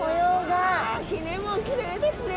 わひれもきれいですね！